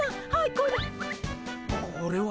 これは。